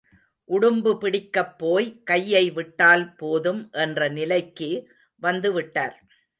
உடும்பு பிடிக்கப்போய் கையை விட்டால் போதும் என்ற நிலைக்கு வந்து விட்டார்.